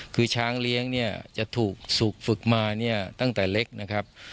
คือช้างเลี้ยงเนี่ยจะถูกสูบฝึกมาเนี่ยตั้งแต่เล็กนะครับ